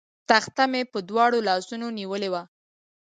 تخته مې په دواړو لاسونو نیولې وه.